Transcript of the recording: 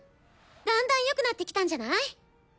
だんだんよくなってきたんじゃない？